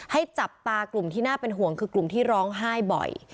ให้จับตากลุ่มที่น่าเป็นห่วงคือกลุ่มที่ร้องไห้บ่อย